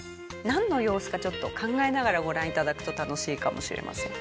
なんの様子かちょっと考えながらご覧頂くと楽しいかもしれません。